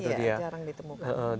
sekarang jarang ditemukan